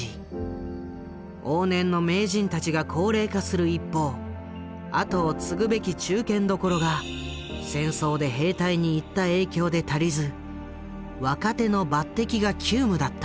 往年の名人たちが高齢化する一方あとを継ぐべき中堅どころが戦争で兵隊に行った影響で足りず若手の抜擢が急務だった。